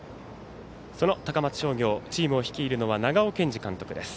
その高松商業チームを率いるのは長尾健司監督です。